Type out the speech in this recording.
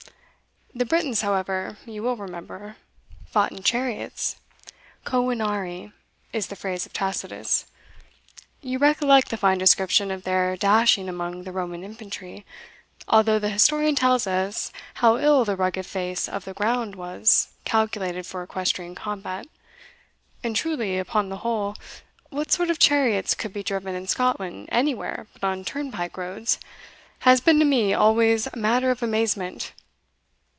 The Britons, however, you will remember, fought in chariots covinarii is the phrase of Tacitus; you recollect the fine description of their dashing among the Roman infantry, although the historian tells us how ill the rugged face of the ground was calculated for equestrian combat; and truly, upon the whole, what sort of chariots could be driven in Scotland anywhere but on turnpike roads, has been to me always matter of amazement.